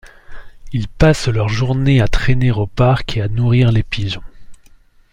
Ils passent leurs journées à trainer au parc et à nourrir les pigeons.